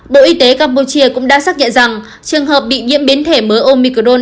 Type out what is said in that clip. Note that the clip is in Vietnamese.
bộ y tế campuchia cũng đã xác nhận rằng trường hợp bị nhiễm biến thể mới omicron